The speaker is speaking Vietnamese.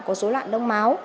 có số loạn đông máu